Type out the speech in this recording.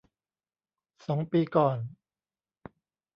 สองปีก่อน